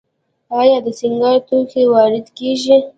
آیا د سینګار توکي وارد کیږي؟